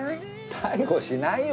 逮捕しないよ。